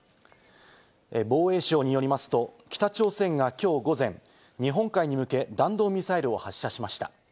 防衛省によりますと、北朝鮮がきょう午前、日本海に向け弾道ミサイルを発射しました。